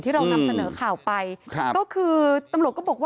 เรานำเสนอข่าวไปครับก็คือตำรวจก็บอกว่า